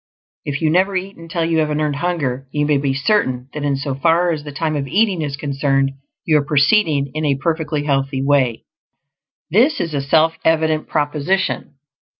If you never eat until you have an Earned Hunger, you may be certain that in so far as the time of eating is concerned, you are proceeding in a perfectly healthy way. This is a self evident proposition.